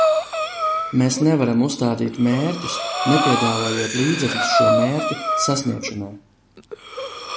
Mēs nevaram uzstādīt mērķus, nepiedāvājot līdzekļus šo mērķu sasniegšanai.